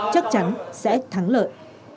chắc chắn sẽ thắng lợi